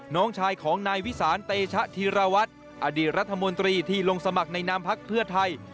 น้องชายของนายวิสานเตชะธีรวัตรอดีตรัฐมนตรีที่ลงสมัครในนามพักเพื่อไทย